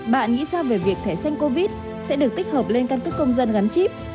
bạn nghĩ sao về việc thẻ xanh covid sẽ được tích hợp lên căn cức công dân gắn chip